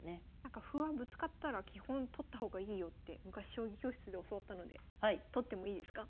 歩はぶつかったら基本取った方がいいよって昔将棋教室で教わったので取ってもいいですか？